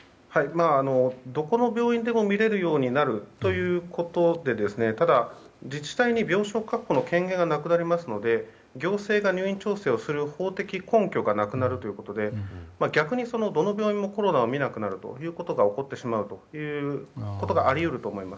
どこの病院でも診れるようになるということですがただ、自治体に病床確保の権限がなくなりますので行政が入院調整をする法的根拠がなくなるということで逆に、どの病院もコロナを診なくなることが起こってしまうということがあり得ると思います。